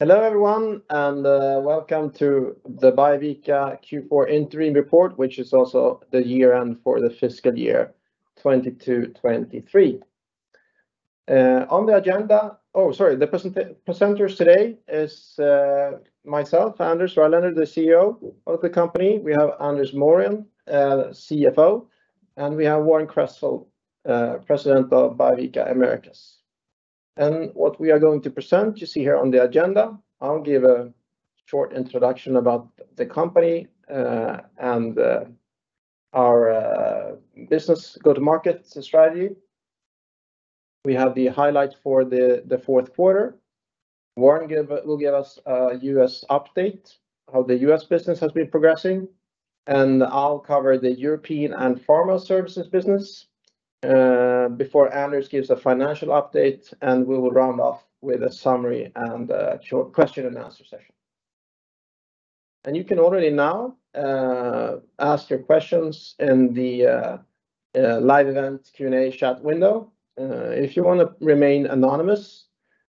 Hello, everyone, welcome to the Biovica Q4 Interim Report, which is also the year-end for the fiscal year 2022-2023. On the agenda, oh sorry, the presenters today is myself, Anders Rylander, the CEO of the company. We have Anders Morén, CFO, and we have Warren Cresswell, President of Biovica Americas. What we are going to present, you see here on the agenda, I'll give a short introduction about the company and our business go-to-market strategy. We have the highlights for the fourth quarter. Warren will give us a US update, how the US business has been progressing, and I'll cover the European and pharma services business before Anders gives a financial update, and we will round off with a summary and a short question and answer session. You can already now, ask your questions in the live event Q&A chat window. If you want to remain anonymous,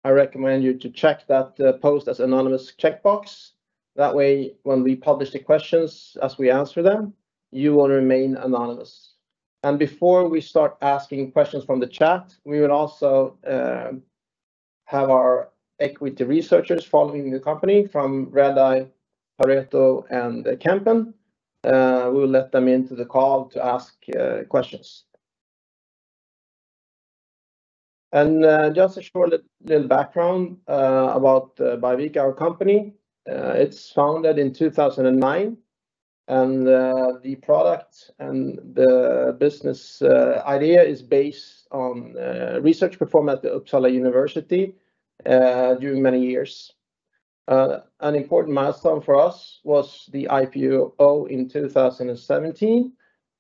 I recommend you to check that Post as Anonymous checkbox. That way, when we publish the questions as we answer them, you will remain anonymous. Before we start asking questions from the chat, we will also have our equity researchers following the company from Redeye, Arete and Kempen. We will let them into the call to ask questions. Just a short little background about Biovica our company. It's founded in 2009, and the product and the business idea is based on research performed at the Uppsala University during many years. An important milestone for us was the IPO in 2017,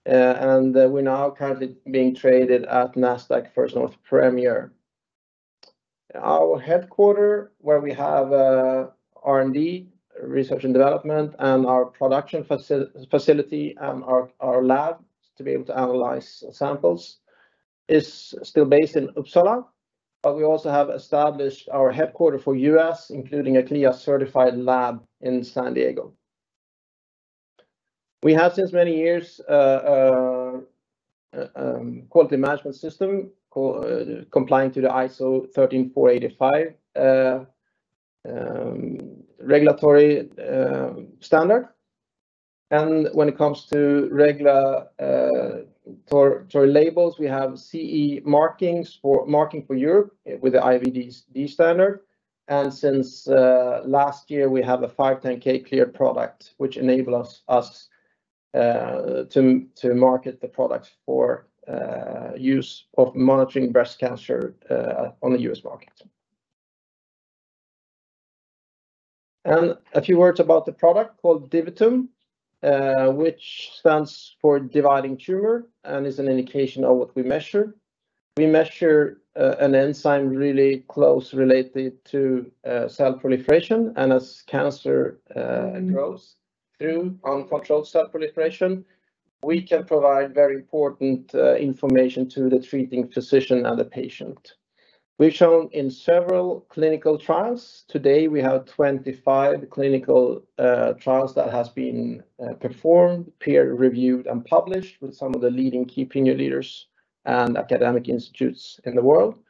and we're now currently being traded at Nasdaq First North Premier. Our headquarter, where we have R&D, research and development, and our production facility and our lab to be able to analyze samples, is still based in Uppsala, but we also have established our headquarter for U.S., including a CLIA-certified lab in San Diego. We have, since many years, quality management system, complying to the ISO 13485 regulatory standard. When it comes to regulatory labels, we have CE markings for Europe with the IVD standard. Since last year, we have a 510K cleared product, which enables us to market the products for use of monitoring breast cancer on the U.S. market. A few words about the product called DiviTum, which stands for dividing tumor and is an indication of what we measure. We measure an enzyme really close related to cell proliferation, and as cancer grows through uncontrolled cell proliferation, we can provide very important information to the treating physician and the patient. We've shown in several clinical trials. Today, we have 25 clinical trials that has been performed, peer reviewed, and published with some of the leading key opinion leaders and academic institutes in the world.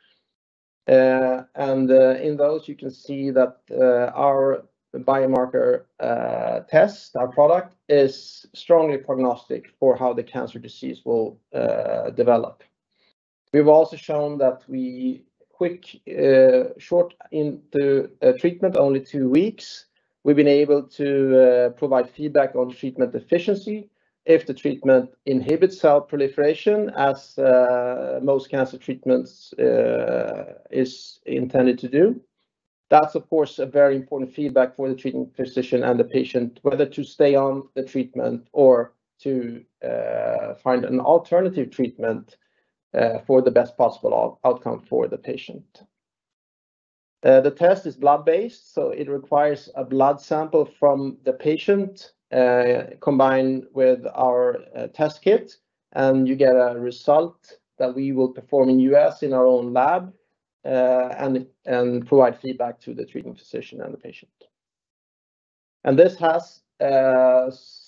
In those, you can see that, our biomarker, test, our product, is strongly prognostic for how the cancer disease will develop. We've also shown that we quick, short into, treatment, only 2 weeks, we've been able to provide feedback on treatment efficiency. If the treatment inhibits cell proliferation, as most cancer treatments, is intended to do, that's of course, a very important feedback for the treating physician and the patient, whether to stay on the treatment or to find an alternative treatment, for the best possible outcome for the patient. The test is blood-based, so it requires a blood sample from the patient, combined with our test kit, and you get a result that we will perform in U.S. in our own lab, and provide feedback to the treating physician and the patient. This has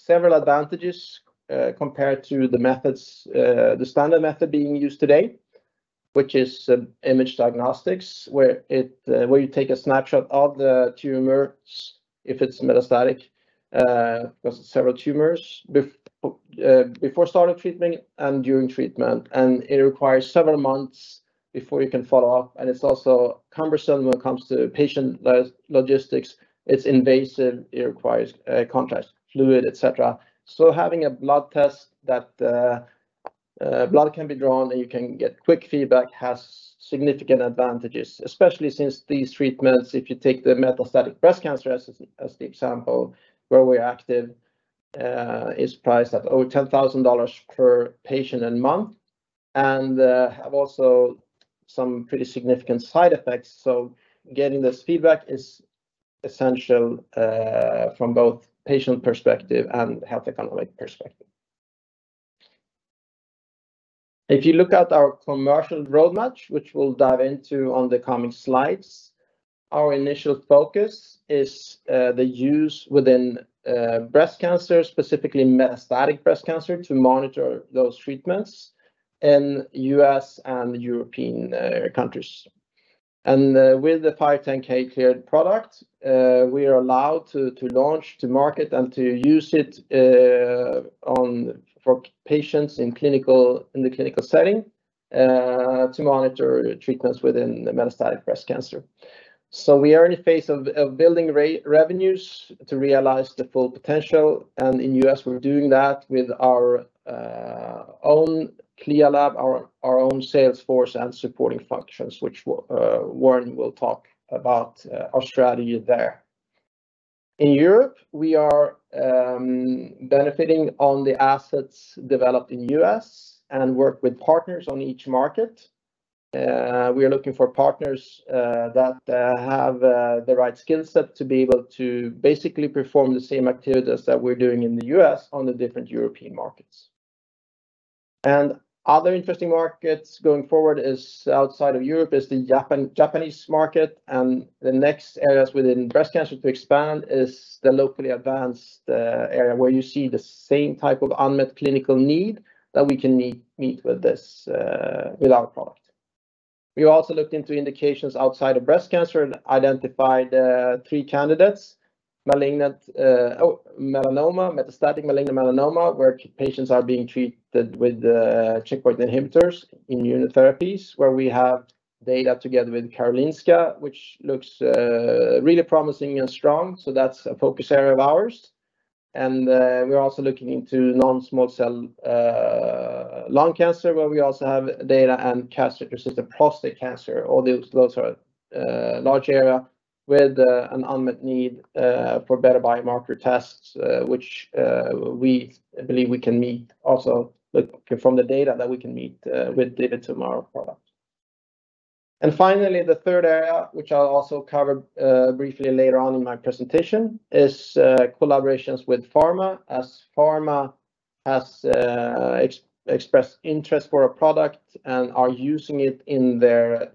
several advantages compared to the methods, the standard method being used today, which is image diagnostics, where you take a snapshot of the tumors, if it's metastatic, because several tumors before start of treatment and during treatment. It requires several months before you can follow up, and it's also cumbersome when it comes to patient logistics. It's invasive, it requires contrast, fluid, et cetera. Having a blood test that blood can be drawn, and you can get quick feedback has significant advantages, especially since these treatments, if you take the metastatic breast cancer as the example where we're active, is priced at over $10,000 per patient a month, and have also some pretty significant side effects. Getting this feedback is essential from both patient perspective and health economic perspective. If you look at our commercial roadmap, which we'll dive into on the coming slides, our initial focus is the use within breast cancer, specifically metastatic breast cancer, to monitor those treatments in U.S. and European countries. With the 510 cleared product, we are allowed to launch, to market, and to use it for patients in the clinical setting to monitor treatments within the metastatic breast cancer. We are in a phase of building revenues to realize the full potential, and in U.S., we're doing that with our own CLIA lab, our own sales force, and supporting functions, which Warren will talk about our strategy there. In Europe, we are benefiting on the assets developed in U.S. and work with partners on each market. We are looking for partners that have the right skill set to be able to basically perform the same activities that we're doing in the U.S. on the different European markets. Other interesting markets going forward is outside of Europe, is the Japanese market, and the next areas within breast cancer to expand is the locally advanced area, where you see the same type of unmet clinical need that we can meet with this with our product. We also looked into indications outside of breast cancer and identified three candidates: metastatic malignant melanoma, where patients are being treated with checkpoint inhibitors, immunotherapies, where we have data together with Karolinska, which looks really promising and strong. That's a focus area of ours. We're also looking into non-small cell lung cancer, where we also have data and castrate-resistant prostate cancer. All those are large area with an unmet need for better biomarker tests, which we believe we can meet also, like, from the data, that we can meet with DiviTum product. Finally, the third area, which I'll also cover briefly later on in my presentation, is collaborations with pharma, as pharma has expressed interest for our product and are using it in their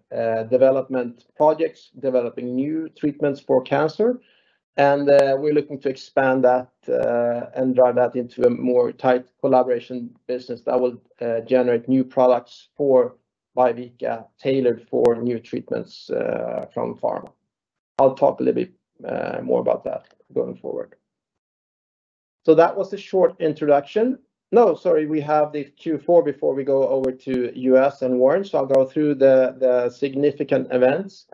development projects, developing new treatments for cancer. We're looking to expand that and drive that into a more tight collaboration business that will generate new products for Biovica, tailored for new treatments from pharma. I'll talk a little bit more about that going forward. That was a short introduction. No, sorry, we have the Q4 before we go over to U.S. and Warren. I'll go through the significant events.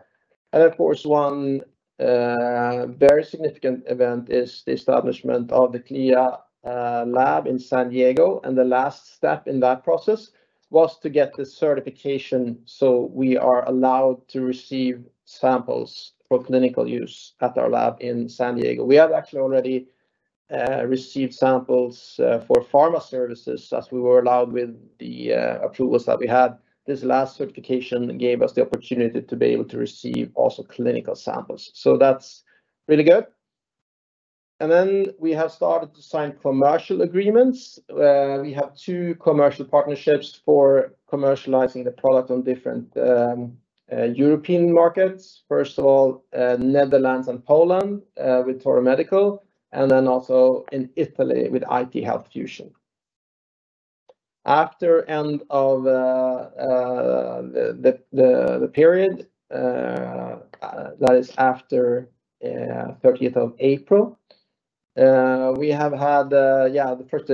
Of course, one very significant event is the establishment of the CLIA lab in San Diego, and the last step in that process was to get the certification, so we are allowed to receive samples for clinical use at our lab in San Diego. We have actually already received samples for pharma services, as we were allowed with the approvals that we had. This last certification gave us the opportunity to be able to receive also clinical samples, so that's really good. We have started to sign commercial agreements. We have 2 commercial partnerships for commercializing the product on different European markets. First of all, Netherlands and Poland, with TOR Medical, and then also in Italy with IT Health Fusion. After end of the period that is after 30th of April, we have had the first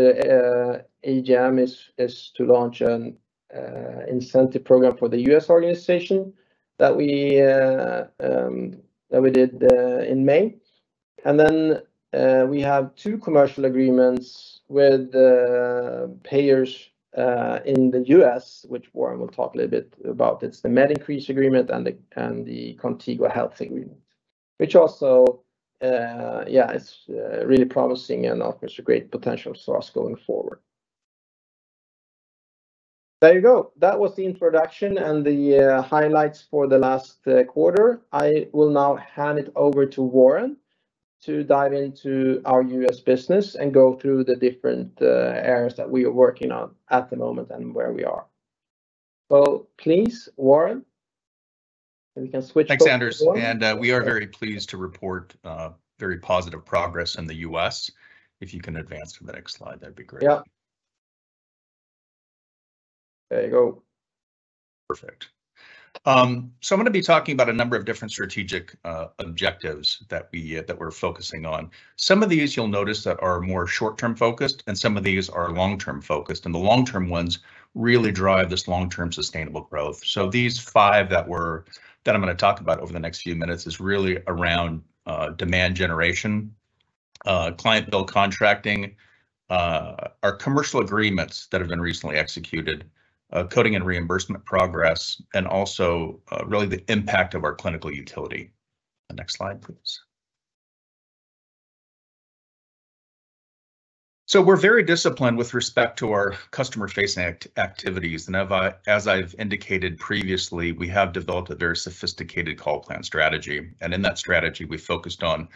AGM is to launch an incentive program for the US organization that we did in May. We have two commercial agreements with the payers in the US, which Warren will talk a little bit about. It's the MediNcrease agreement and the Contigo Health agreement, which also it's really promising and offers a great potential source going forward. There you go. That was the introduction and the highlights for the last quarter. I will now hand it over to Warren to dive into our US business and go through the different areas that we are working on at the moment and where we are. Please, Warren, we can. Thanks, Anders. We are very pleased to report very positive progress in the U.S. If you can advance to the next slide, that'd be great. Yeah. There you go. Perfect. I'm gonna be talking about a number of different strategic objectives that we're focusing on. Some of these you'll notice that are more short-term focused, and some of these are long-term focused. The long-term ones really drive this long-term sustainable growth. These five that I'm gonna talk about over the next few minutes, is really around demand generation, client bill contracting, our commercial agreements that have been recently executed, coding and reimbursement progress, and also really the impact of our clinical utility. The next slide, please.... We're very disciplined with respect to our customer-facing activities, and as I've indicated previously, we have developed a very sophisticated call plan strategy. In that strategy, we focused on a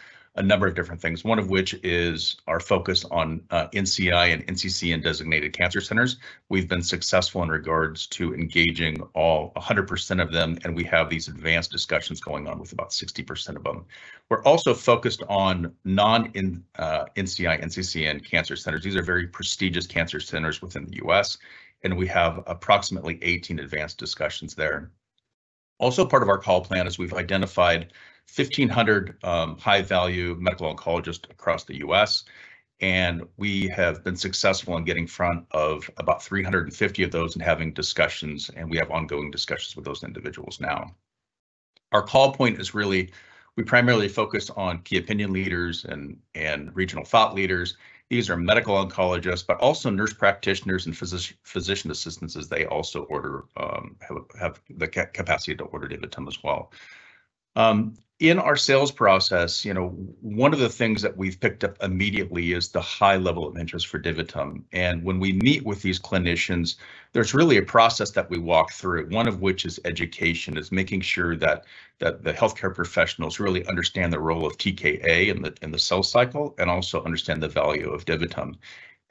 number of different things, one of which is our focus on NCI and NCCN designated cancer centers. We've been successful in regards to engaging all 100% of them, and we have these advanced discussions going on with about 60% of them. We're also focused on non-NCI/NCCN cancer centers. These are very prestigious cancer centers within the U.S., and we have approximately 18 advanced discussions there. Part of our call plan is we've identified 1,500 high-value medical oncologists across the U.S., and we have been successful in getting in front of about 350 of those and having discussions, and we have ongoing discussions with those individuals now. Our call point is really, we primarily focus on key opinion leaders and regional thought leaders. These are medical oncologists, also nurse practitioners and physician assistants, as they also order, have the capacity to order DiviTum as well. In our sales process, you know, one of the things that we've picked up immediately is the high level of interest for DiviTum. When we meet with these clinicians, there's really a process that we walk through, one of which is education, is making sure that the healthcare professionals really understand the role of TKa in the cell cycle, and also understand the value of DiviTum.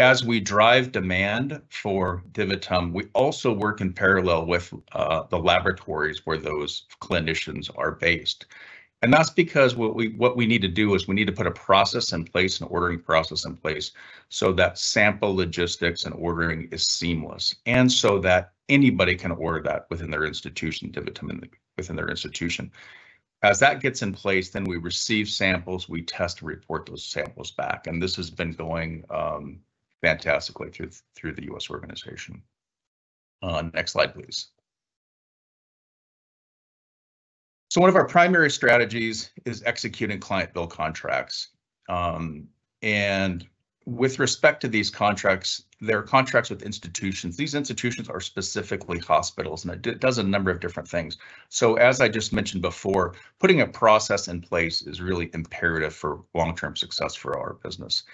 As we drive demand for DiviTum, we also work in parallel with the laboratories where those clinicians are based. That's because what we, what we need to do is we need to put a process in place, an ordering process in place, so that sample logistics and ordering is seamless, and so that anybody can order that within their institution, DiviTum, within their institution. As that gets in place, then we receive samples, we test and report those samples back, and this has been going fantastically through the U.S. organization. Next slide, please. One of our primary strategies is executing client bill contracts. With respect to these contracts, they're contracts with institutions. These institutions are specifically hospitals, and it does a number of different things. As I just mentioned before, putting a process in place is really imperative for long-term success for our business.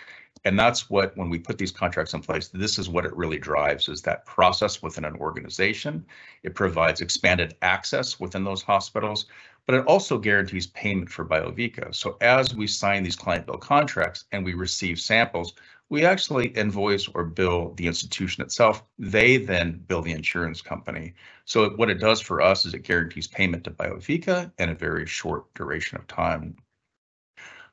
That's what when we put these contracts in place, this is what it really drives, is that process within an organization. It provides expanded access within those hospitals, but it also guarantees payment for Biovica. As we sign these client bill contracts and we receive samples, we actually invoice or bill the institution itself. They bill the insurance company. What it does for us is it guarantees payment to Biovica in a very short duration of time.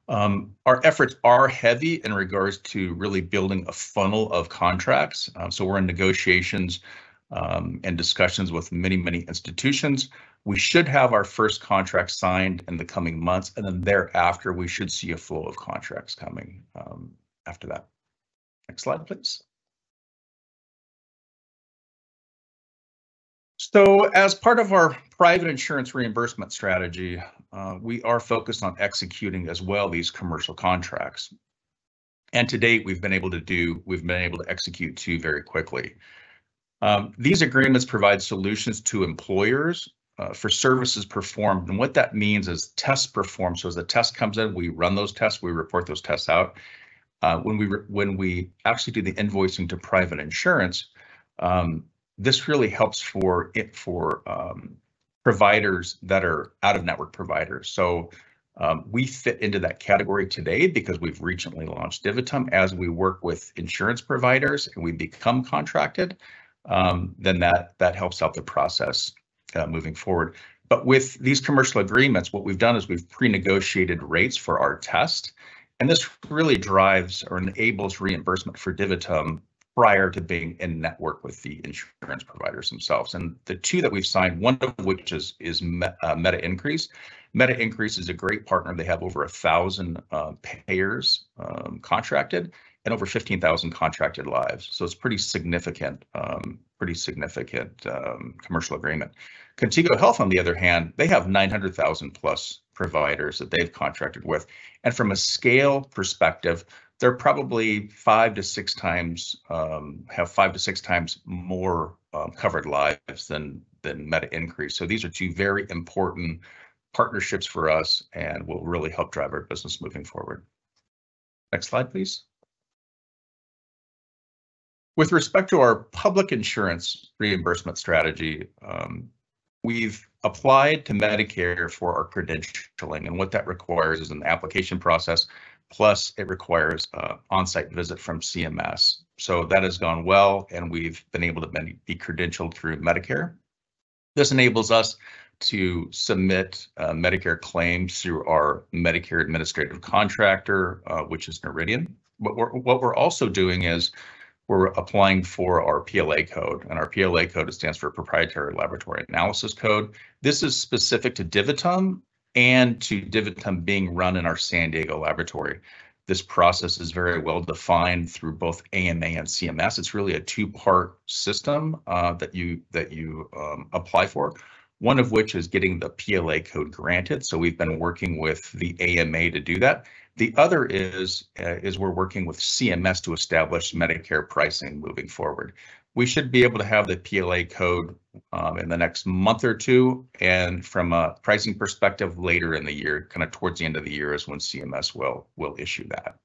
Our efforts are heavy in regards to really building a funnel of contracts. We're in negotiations and discussions with many, many institutions. We should have our first contract signed in the coming months, thereafter, we should see a flow of contracts coming after that. Next slide, please. As part of our private insurance reimbursement strategy, we are focused on executing as well these commercial contracts. To date, we've been able to execute two very quickly. These agreements provide solutions to employers, for services performed, and what that means is tests performed. As a test comes in, we run those tests, we report those tests out. When we actually do the invoicing to private insurance, this really helps for it, for providers that are out-of-network providers. We fit into that category today because we've recently launched DiviTum. As we work with insurance providers and we become contracted, then that helps out the process moving forward. With these commercial agreements, what we've done is we've prenegotiated rates for our test. This really drives or enables reimbursement for DiviTum prior to being in-network with the insurance providers themselves. The two that we've signed, one of which is MediNcrease. MediNcrease is a great partner. They have over 1,000 payers contracted and over 15,000 contracted lives. It's pretty significant commercial agreement. Contigo Health, on the other hand, they have 900,000+ providers that they've contracted with, and from a scale perspective, they're probably 5 to 6 times more covered lives than MediNcrease. These are two very important partnerships for us and will really help drive our business moving forward. Next slide, please. With respect to our public insurance reimbursement strategy, we've applied to Medicare for our credentialing, and what that requires is an application process, plus it requires a on-site visit from CMS. That has gone well, and we've been able to be credentialed through Medicare. This enables us to submit Medicare claims through our Medicare administrative contractor, which is Noridian. What we're also doing is we're applying for our PLA code, and our PLA code stands for Proprietary Laboratory Analysis code. This is specific to DiviTum should be able to have the PLA code in the next month or 2, and from a pricing perspective, later in the year, kind of towards the end of the year is when CMS will issue that.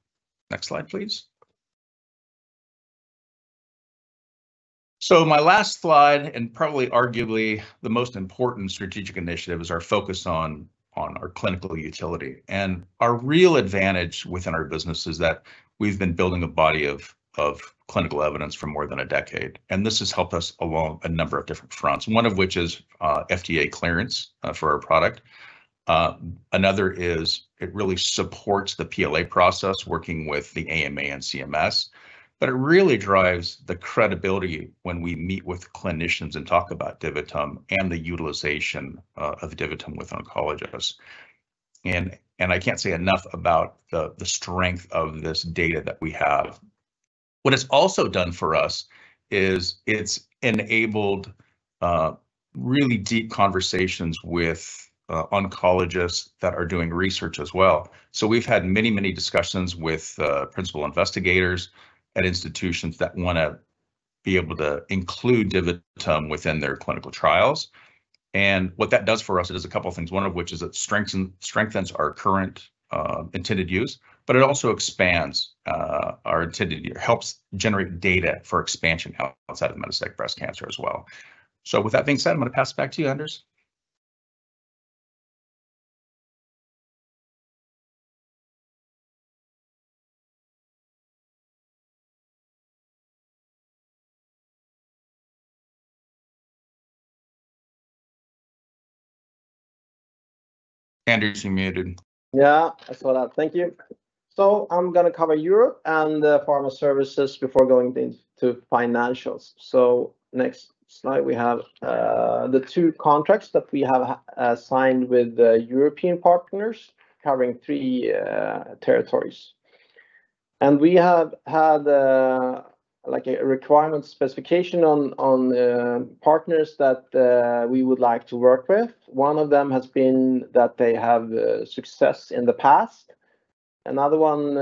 Next slide, please. My last slide, and probably arguably the most important strategic initiative, is our focus on our clinical utility. Our real advantage within our business is that we've been building a body of clinical evidence for more than 1 decade, and this has helped us along a number of different fronts. One of which is FDA clearance for our product. Another is it really supports the PLA process, working with the AMA and CMS. It really drives the credibility when we meet with clinicians and talk about DiviTum and the utilization of DiviTum with oncologists. I can't say enough about the strength of this data that we have. What it's also done for us is it's enabled really deep conversations with oncologists that are doing research as well. We've had many, many discussions with principal investigators at institutions that want to be able to include DiviTum within their clinical trials. What that does for us, it does a couple things. One of which is it strengthens our current intended use, but it also expands our intended use. It helps generate data for expansion outside of metastatic breast cancer as well. With that being said, I'm going to pass it back to you, Anders. Anders, you're muted. Yeah, I saw that. Thank you. I'm going to cover Europe and the pharma services before going into financials. Next slide, we have the two contracts that we have signed with the European partners, covering three territories. We have had, like, a requirement specification on partners that we would like to work with. One of them has been that they have success in the past. Another one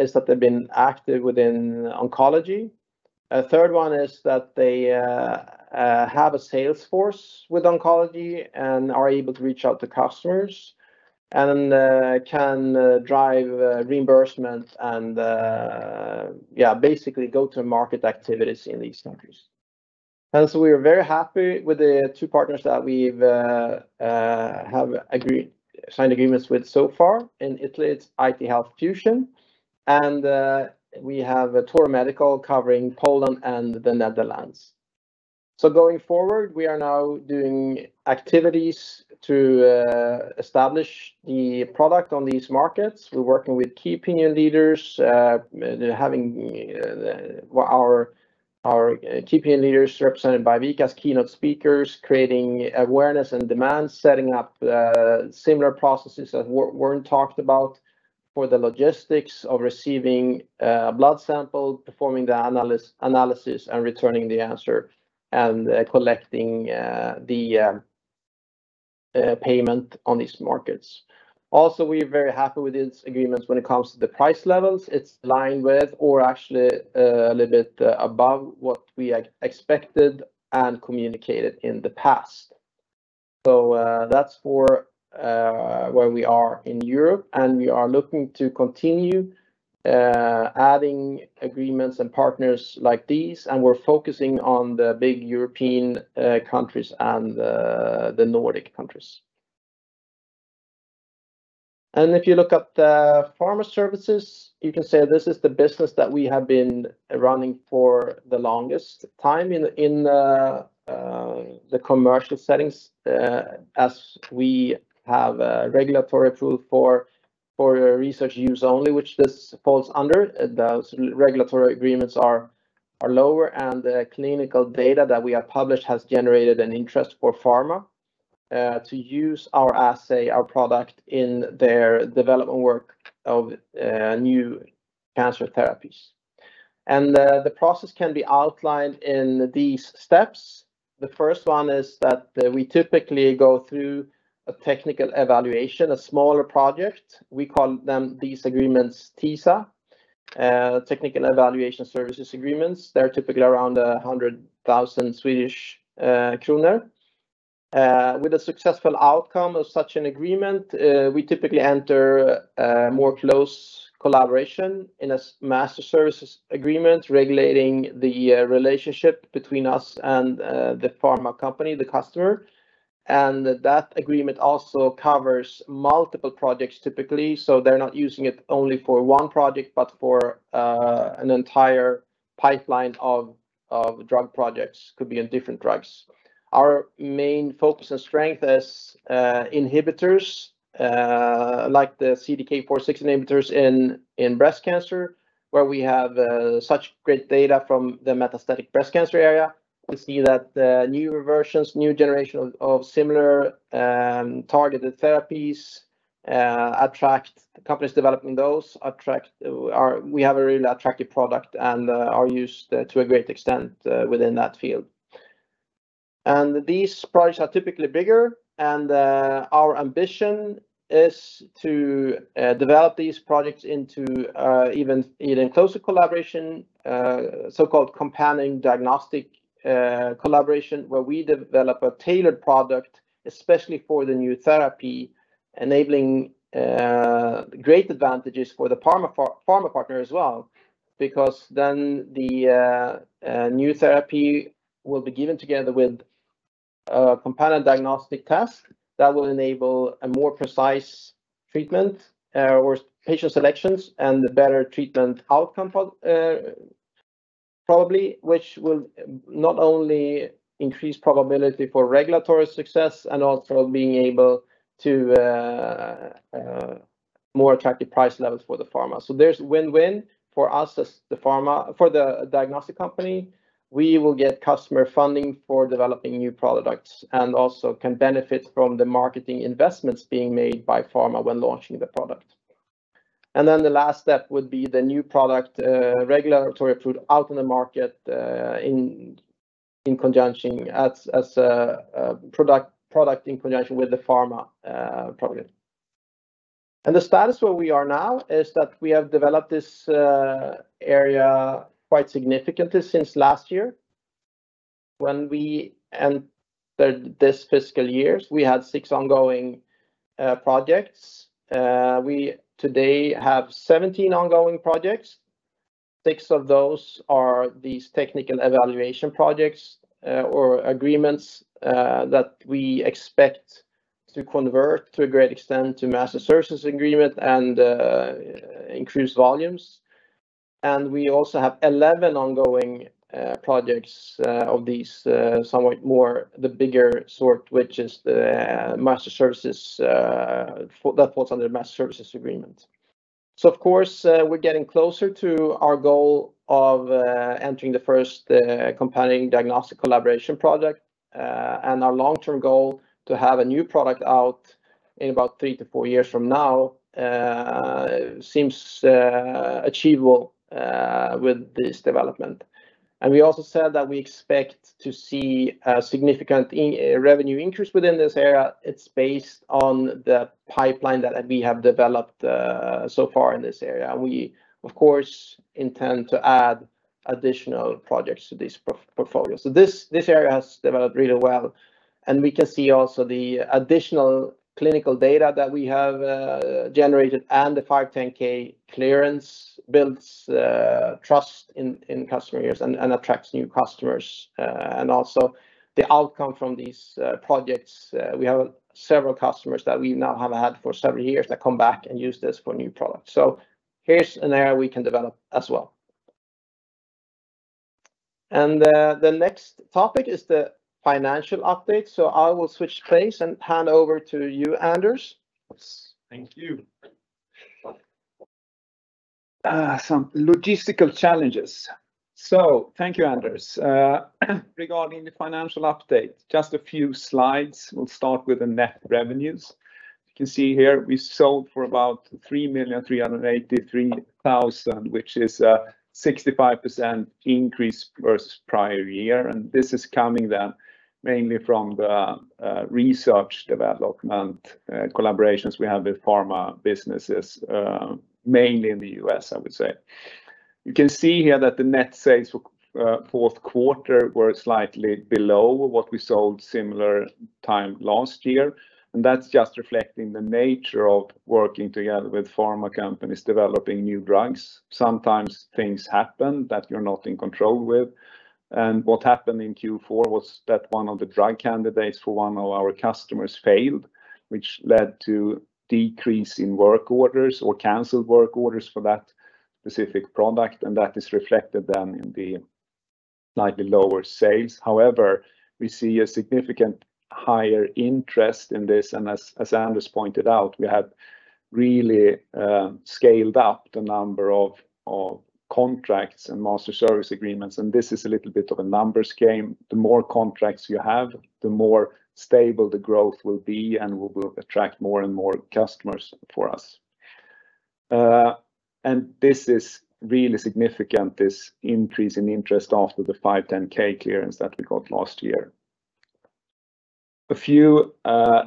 is that they've been active within oncology. A third one is that they have a sales force with oncology and are able to reach out to customers and can drive reimbursement and, yeah, basically go-to-market activities in these countries. We are very happy with the two partners that we've signed agreements with so far. In Italy, it's IT Health Fusion, and we have TOR Medical covering Poland and the Netherlands. Going forward, we are now doing activities to establish the product on these markets. We're working with key opinion leaders, having our key opinion leaders represented by Vikas, keynote speakers, creating awareness and demand, setting up similar processes that Warren talked about for the logistics of receiving blood sample, performing the analysis, and returning the answer, and collecting the payment on these markets. We are very happy with these agreements when it comes to the price levels. It's in line with or actually, a little bit above what we expected and communicated in the past. That's for where we are in Europe, we are looking to continue adding agreements and partners like these, and we're focusing on the big European countries and the Nordic countries. If you look at the pharma services, you can say this is the business that we have been running for the longest time in the commercial settings. As we have a regulatory approval for research use only, which this falls under, the regulatory agreements are lower, the clinical data that we have published has generated an interest for pharma to use our assay, our product, in their development work of new cancer therapies. The process can be outlined in these steps. The first one is that we typically go through a technical evaluation, a smaller project. We call them, these agreements, TESA, Technical Evaluation Services Agreements. They're typically around 100,000 Swedish kronor. With a successful outcome of such an agreement, we typically enter a more close collaboration in a Master Services Agreement, regulating the relationship between us and the pharma company, the customer. That agreement also covers multiple projects, typically, so they're not using it only for one project, but for an entire pipeline of drug projects, could be in different drugs. Our main focus and strength is inhibitors, like the CDK4/6 inhibitors in breast cancer, where we have such great data from the metastatic breast cancer area. We see that new versions, new generation of similar targeted therapies attract companies developing those. We have a really attractive product and are used to a great extent within that field. These products are typically bigger, and our ambition is to develop these products into even, in closer collaboration, so-called companion diagnostic collaboration, where we develop a tailored product, especially for the new therapy enabling great advantages for the pharma partner as well, because then the new therapy will be given together with a companion diagnostic test that will enable a more precise treatment or patient selections and better treatment outcome for probably, which will not only increase probability for regulatory success and also being able to more attractive price levels for the pharma. There's win-win for us as the pharma. For the diagnostic company, we will get customer funding for developing new products, and also can benefit from the marketing investments being made by pharma when launching the product. The last step would be the new product, regulatory approved out in the market, in conjunction as a product in conjunction with the pharma product. The status where we are now is that we have developed this area quite significantly since last year. When we entered this fiscal years, we had six ongoing projects. We today have 17 ongoing projects. Six of those are these technical evaluation projects or agreements that we expect to convert, to a great extent, to Master Services Agreement and increase volumes. We also have 11 ongoing projects of these somewhat more, the bigger sort, which is the master services that falls under the Master Services Agreement. Of course, we're getting closer to our goal of entering the first companion diagnostic collaboration project. Our long-term goal to have a new product out in about three to four years from now seems achievable with this development. We also said that we expect to see a significant revenue increase within this area. It's based on the pipeline that we have developed so far in this area and we of course intend to add additional projects to this portfolio. This, this area has developed really well, and we can see also the additional clinical data that we have generated and the 510K clearance builds trust in customers and attracts new customers. And also the outcome from these projects. We have several customers that we now have had for several years that come back and use this for new products. Here's an area we can develop as well. The next topic is the financial update. I will switch place and hand over to you, Anders. Yes. Thank you. Some logistical challenges. Thank you, Anders Rylader. Regarding the financial update, just a few slides. We'll start with the net revenues. You can see here, we sold for about 3,383,000, which is a 65% increase versus prior year. This is coming then mainly from the research development collaborations we have with pharma businesses, mainly in the U.S., I would say. You can see here that the net sales for fourth quarter were slightly below what we sold similar time last year. That's just reflecting the nature of working together with pharma companies developing new drugs. Sometimes things happen that you're not in control with, and what happened in Q4 was that one of the drug candidates for one of our customers failed, which led to decrease in work orders or canceled work orders for that specific product, and that is reflected then in the slightly lower sales. However, we see a significant higher interest in this, and as Anders pointed out, we have really scaled up the number of contracts and Master Services Agreements, and this is a little bit of a numbers game. The more contracts you have, the more stable the growth will be and will attract more and more customers for us. This is really significant, this increase in interest after the 510K clearance that we got last year. A few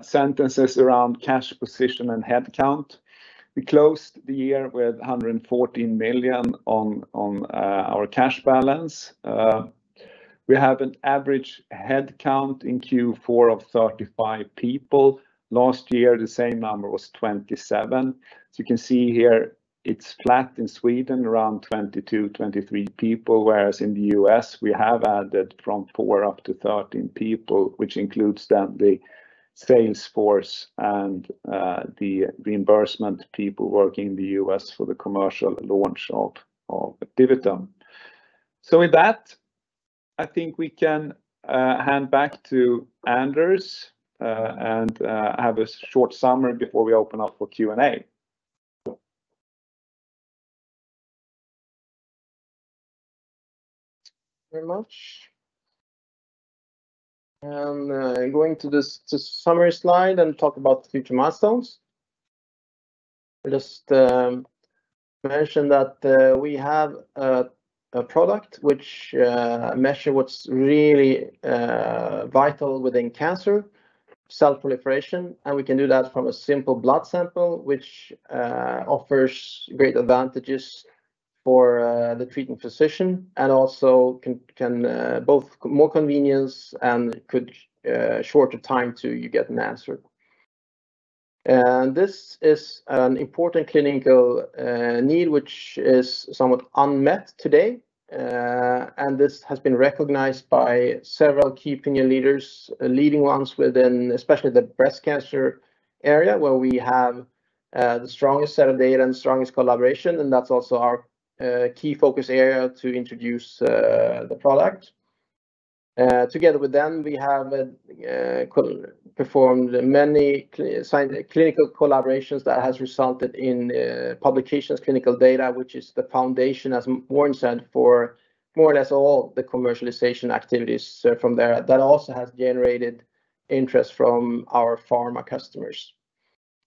sentences around cash position and headcount. We closed the year with 114 million on our cash balance. We have an average headcount in Q4 of 35 people. Last year, the same number was 27. You can see here it's flat in Sweden, around 22-23 people, whereas in the US, we have added from 4 up to 13 people, which includes then the sales force and the reimbursement people working in the US for the commercial launch of DiviTum. With that, I think we can hand back to Anders and have a short summary before we open up for Q&A. Very much. I'm going to this, the summary slide and talk about the future milestones. Just mention that we have a product which measure what's really vital within cancer, cell proliferation, and we can do that from a simple blood sample, which offers great advantages for the treating physician and also can both more convenience and could shorter time till you get an answer. This is an important clinical need, which is somewhat unmet today. This has been recognized by several key opinion leaders, leading ones within especially the breast cancer area, where we have the strongest set of data and strongest collaboration, and that's also our key focus area to introduce the product. Together with them, we have co-performed many clinical collaborations that has resulted in publications, clinical data, which is the foundation, as Warren said, for more or less all the commercialization activities from there. That also has generated interest from our pharma customers.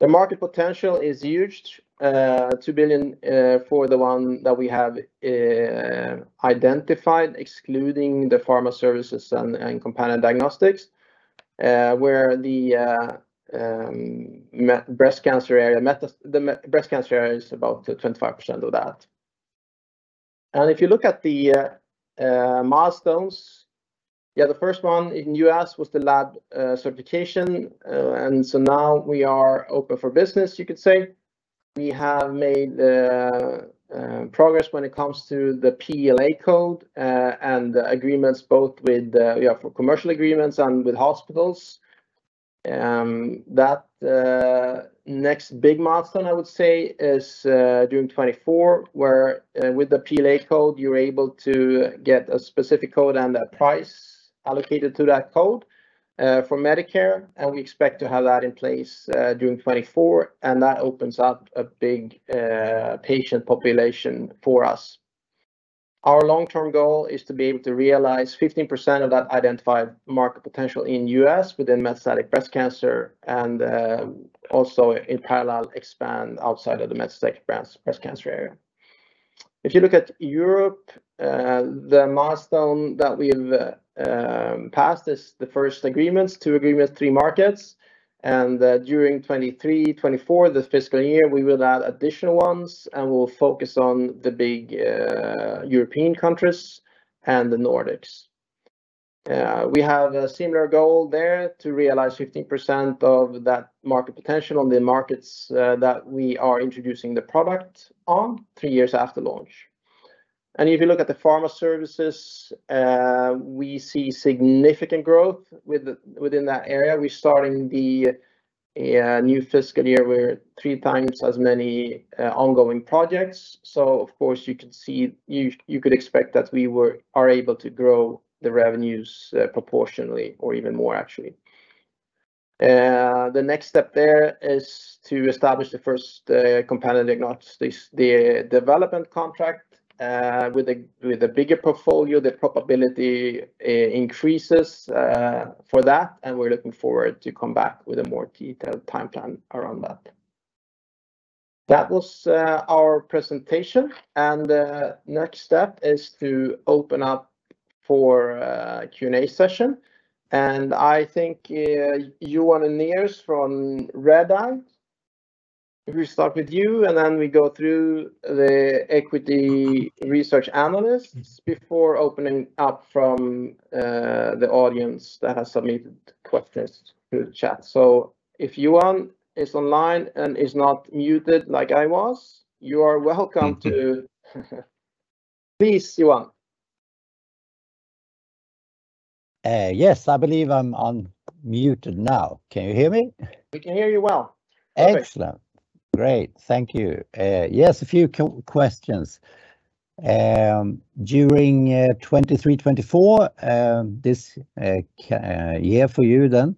The market potential is huge, 2 billion for the one that we have identified, excluding the pharma services and companion diagnostics, where the metastatic breast cancer area is about 25% of that. If you look at the milestones, yeah, the first one in U.S. was the lab certification. Now we are open for business, you could say. We have made progress when it comes to the PLA code and agreements, both with, yeah, for commercial agreements and with hospitals. That next big milestone, I would say, is during 2024, where with the PLA code, you're able to get a specific code and a price allocated to that code for Medicare. We expect to have that in place during 2024, and that opens up a big patient population for us. Our long-term goal is to be able to realize 15% of that identified market potential in U.S. within metastatic breast cancer. Also in parallel, expand outside of the metastatic breast cancer area. If you look at Europe, the milestone that we've passed is the first agreements, 2 agreements, 3 markets. During 2023, 2024, this fiscal year, we will add additional ones. We'll focus on the big European countries and the Nordics. We have a similar goal there, to realize 15% of that market potential on the markets that we are introducing the product on 3 years after launch. If you look at the pharma services, we see significant growth within that area. We're starting the new fiscal year with 3 times as many ongoing projects. Of course, you could expect that we are able to grow the revenues proportionally, or even more actually. The next step there is to establish the first companion diagnostics, the development contract. With a bigger portfolio, the probability increases for that, and we're looking forward to come back with a more detailed timeline around that. That was our presentation, and the next step is to open up for a Q&A session. I think, Johan Unnerus from Redeye, if we start with you, then we go through the equity research analysts before opening up from the audience that has submitted questions to the chat. If Johan is online and is not muted, like I was, you are welcome to. Please, Johan. Yes, I believe I'm unmuted now. Can you hear me? We can hear you well. Excellent. Great. Thank you. Yes, a few questions. During 2023, 2024, this year for you then,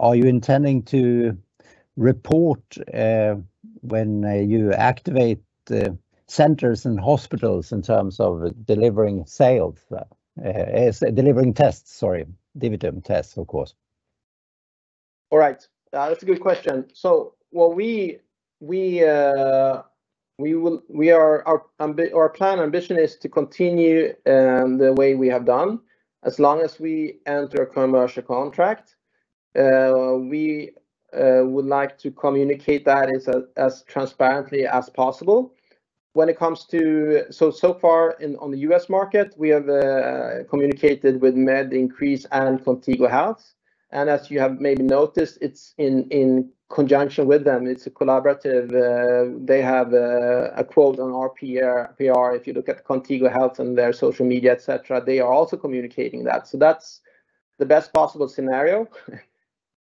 are you intending to report when you activate the centers and hospitals in terms of delivering sales, as delivering tests, sorry, DiviTum tests, of course? All right. That's a good question. Well, we are, our plan ambition is to continue the way we have done. As long as we enter a commercial contract, we would like to communicate that as transparently as possible. When it comes to... So far on the US market, we have communicated with MediNcrease and Contigo Health, and as you have maybe noticed, it's in conjunction with them. It's a collaborative, they have a quote on our PR. If you look at Contigo Health on their social media, et cetera, they are also communicating that. That's the best possible scenario.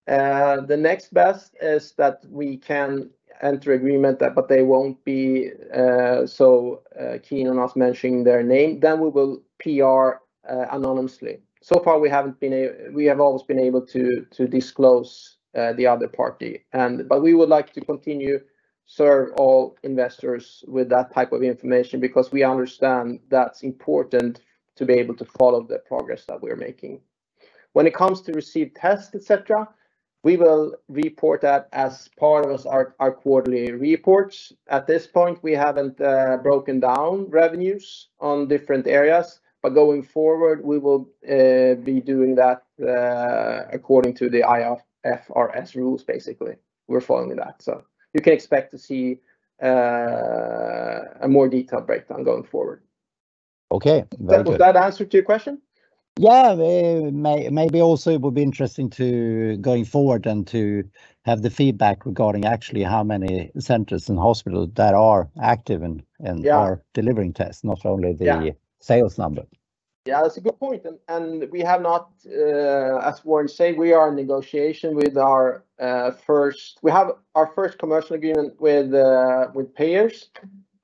The next best is that we can enter agreement, but they won't be so keen on us mentioning their name, then we will PR anonymously. So far, we haven't been we have always been able to disclose the other party, but we would like to continue serve all investors with that type of information because we understand that's important to be able to follow the progress that we're making. When it comes to received tests, et cetera, we will report that as part of our quarterly reports. At this point, we haven't broken down revenues on different areas, but going forward, we will be doing that according to the IFRS rules basically. We're following that, you can expect to see a more detailed breakdown going forward. Okay, very good. Does that answer to your question? Maybe also it would be interesting to, going forward and to have the feedback regarding actually how many centers and hospitals that are active and. Yeah are delivering tests, not only the- Yeah sales number. Yeah, that's a good point, and we have not. We have our first commercial agreement with payers.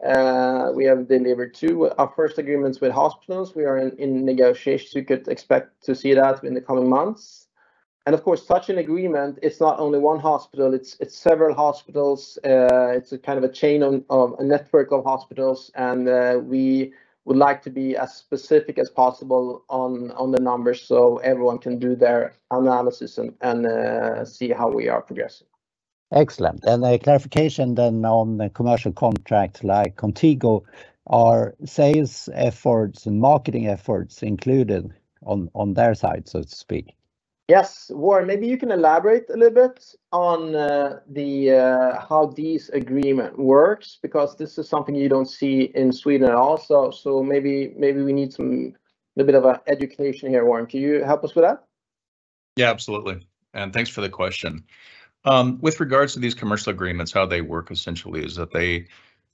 We have delivered two. Our first agreements with hospitals, we are in negotiations. We could expect to see that in the coming months. Of course, such an agreement is not only one hospital, it's several hospitals. It's a kind of a chain of a network of hospitals, and we would like to be as specific as possible on the numbers, so everyone can do their analysis and see how we are progressing. Excellent. A clarification then on the commercial contract, like Contigo, are sales efforts and marketing efforts included on their side, so to speak? Yes. Warren, maybe you can elaborate a little bit on, the, how these agreement works, because this is something you don't see in Sweden at all. Maybe we need some little bit of a education here. Warren, can you help us with that? Absolutely, and thanks for the question. With regards to these commercial agreements, how they work essentially is that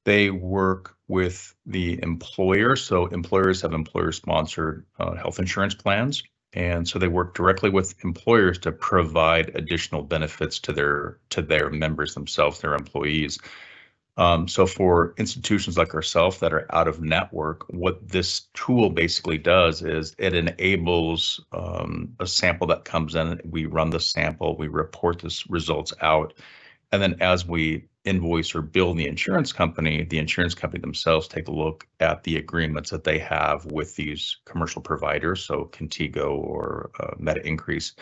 they work with the employer. Employers have employer-sponsored health insurance plans, and so they work directly with employers to provide additional benefits to their members themselves, their employees. For institutions like ourselves that are out of network, what this tool basically does is it enables a sample that comes in. We run the sample, we report the results out, and then as we invoice or bill the insurance company, the insurance company themselves take a look at the agreements that they have with these commercial providers, so Contigo or MediNcrease.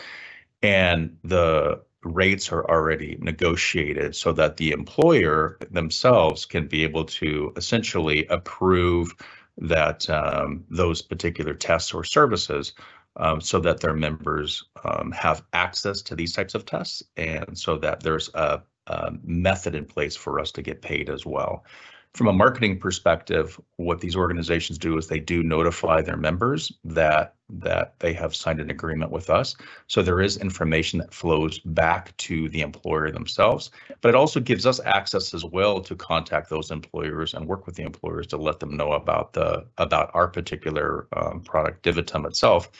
The rates are already negotiated so that the employer themselves can be able to essentially approve that those particular tests or services so that their members have access to these types of tests, and so that there's a method in place for us to get paid as well. From a marketing perspective, what these organizations do is they do notify their members that they have signed an agreement with us. There is information that flows back to the employer themselves, but it also gives us access as well to contact those employers and work with the employers to let them know about our particular product, DiviTum itself,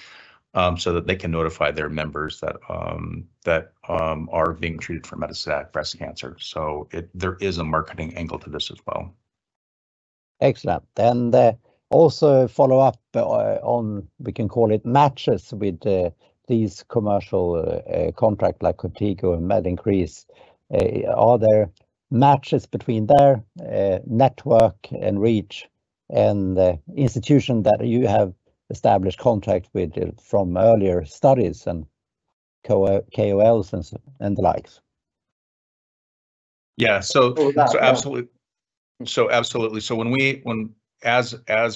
so that they can notify their members that are being treated for metastatic breast cancer. There is a marketing angle to this as well. Excellent. Also follow up on, we can call it matches with, these commercial contract like Contigo and MediNcrease. Are there matches between their network and reach and the institution that you have established contract with from earlier studies and KOLs and the likes? Absolutely. When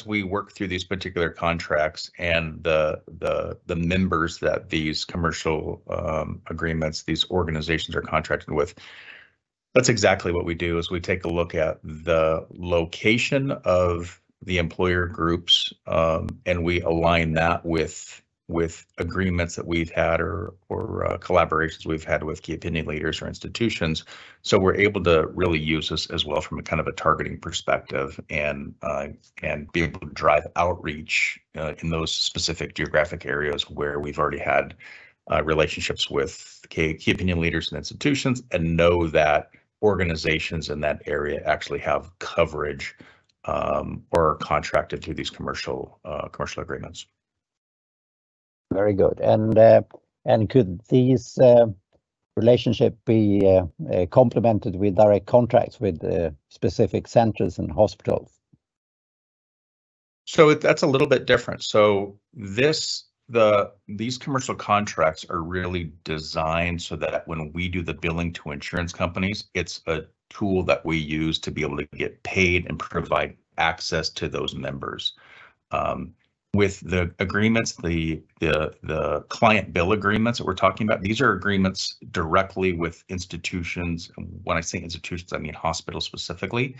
we work through these particular contracts and the members that these commercial agreements, these organizations are contracted with, that is exactly what we do, is we take a look at the location of the employer groups, and we align that with agreements that we have had or collaborations we have had with key opinion leaders or institutions. We are able to really use this as well from a kind of a targeting perspective and be able to drive outreach in those specific geographic areas where we have already had relationships with key opinion leaders and institutions, and know that organizations in that area actually have coverage or are contracted to these commercial agreements. Very good. And could these relationship be complemented with direct contracts with specific centers and hospitals? That's a little bit different. These commercial contracts are really designed so that when we do the billing to insurance companies, it's a tool that we use to be able to get paid and provide access to those members. With the agreements, the client bill agreements that we're talking about, these are agreements directly with institutions. When I say institutions, I mean hospitals, specifically.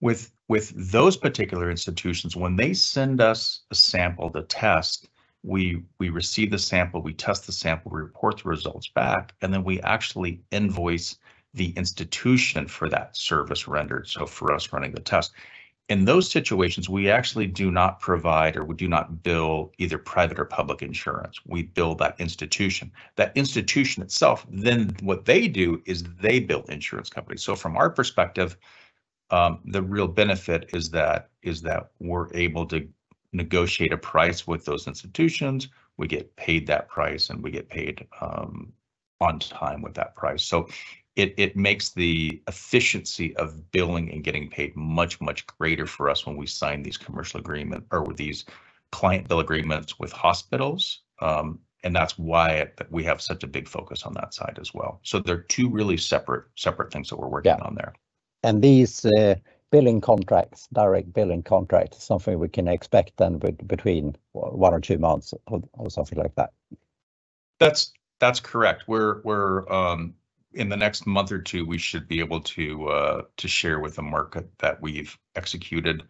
With those particular institutions, when they send us a sample to test, we receive the sample, we test the sample, we report the results back, and then we actually invoice the institution for that service rendered, so for us running the test. In those situations, we actually do not provide or we do not bill either private or public insurance. We bill that institution, that institution itself. What they do is they bill insurance companies. From our perspective, the real benefit is that we're able to negotiate a price with those institutions. We get paid that price, and we get paid on time with that price. It makes the efficiency of billing and getting paid much greater for us when we sign these commercial agreement or these client bill agreements with hospitals. And that's why we have such a big focus on that side as well. They're two really separate things that we're working on there. Yeah. These billing contracts, direct billing contracts, is something we can expect then between one or two months or something like that? That's correct. We're in the next month or two, we should be able to share with the market that we've executed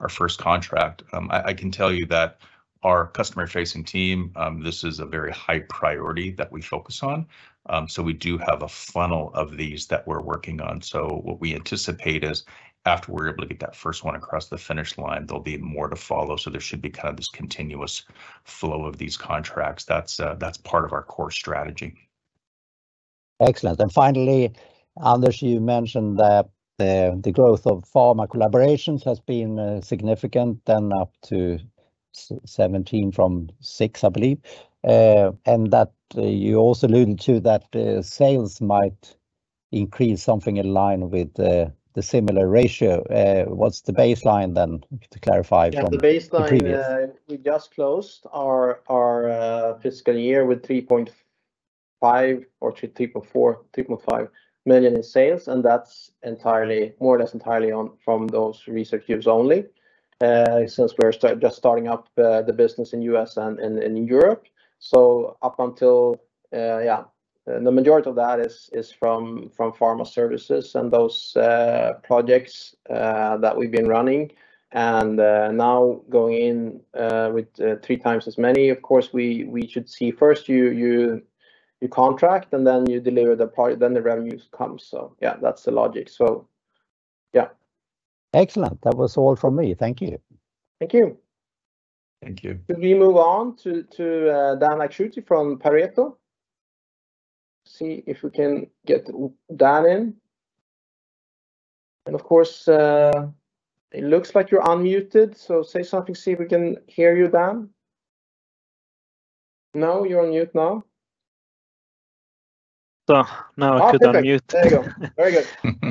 our first contract. I can tell you that our customer-facing team, this is a very high priority that we focus on. We do have a funnel of these that we're working on. What we anticipate is after we're able to get that first one across the finish line, there'll be more to follow, so there should be kind of this continuous flow of these contracts. That's part of our core strategy. Excellent. Finally, Anders, you mentioned that the growth of pharma collaborations has been significant, up to 17 from 6, I believe. That you also alluded to that the sales might increase something in line with the similar ratio. What's the baseline then, to clarify from the previous? Yeah, the baseline, we just closed our fiscal year with $3.5 million or $3.4 million, $3.5 million in sales, and that's entirely, more or less entirely on from those research use only. Since we're just starting up the business in the U.S. and in Europe. Up until, yeah, the majority of that is from pharma services and those projects that we've been running. Now going in with 3 times as many, of course, we should see, first you contract and then you deliver the product, then the revenues come. Yeah, that's the logic. Yeah. Excellent. That was all from me. Thank you. Thank you. Thank you. Could we move on to Dan Akschuti from Pareto? See if we can get Dan in. Of course, it looks like you're unmuted, so say something, see if we can hear you, Dan. No, you're on mute now. Now I could unmute. There you go. Very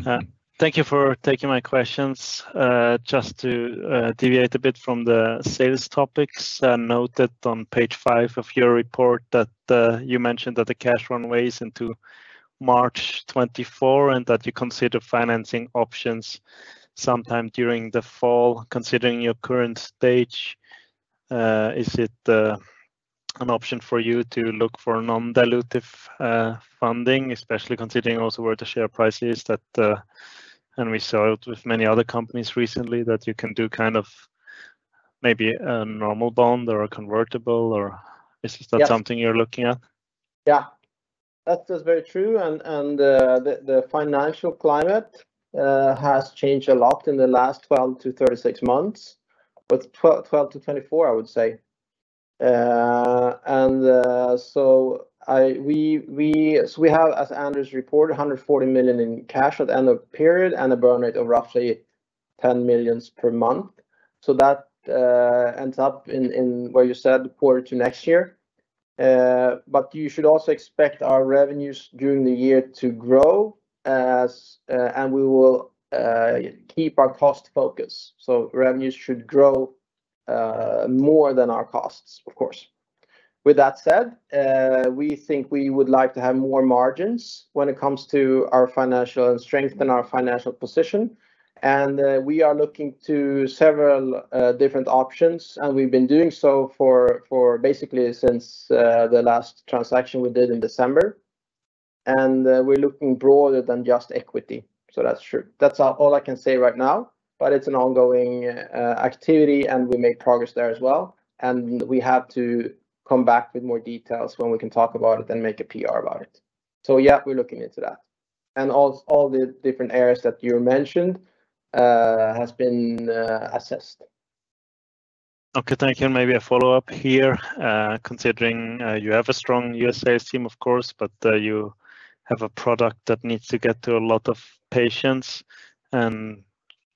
good. Thank you for taking my questions. Just to deviate a bit from the sales topics, noted on page 5 of your report that you mentioned that the cash run ways into March 2024, and that you consider financing options sometime during the fall. Considering your current stage, is it an option for you to look for non-dilutive funding, especially considering also where the share price is that, and we saw it with many other companies recently, that you can do kind of maybe a normal bond or a convertible, or... Yeah. Is that something you're looking at? Yeah. That is very true, and the financial climate has changed a lot in the last 12 to 36 months, but 12 to 24, I would say. We have, as Anders reported, 140 million in cash at the end of period and a burn rate of roughly 10 million per month. That ends up in where you said quarter to next year. You should also expect our revenues during the year to grow, as and we will keep our cost focus. Revenues should grow more than our costs, of course. With that said, we think we would like to have more margins when it comes to our financial strength and our financial position. We are looking to several different options, and we've been doing so for basically since the last transaction we did in December. We're looking broader than just equity. That's true. That's all I can say right now, but it's an ongoing activity, and we make progress there as well. We have to come back with more details when we can talk about it and make a PR about it. Yeah, we're looking into that. All the different areas that you mentioned has been assessed. Okay, thank you. Maybe a follow-up here. Considering, you have a strong U.S. sales team, of course, but you have a product that needs to get to a lot of